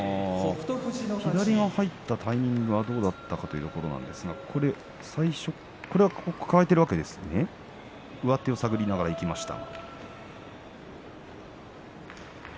左が入ったタイミングはどうだったかというところですが最初、抱えて上手を探りながら行きました。